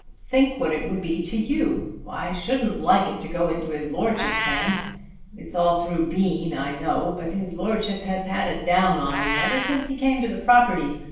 Think what it would be to you! I shouldn't like it to go into his Lordship's hands. It's all through Bean I know, but his Lordship has had a down on me ever since he came to the property.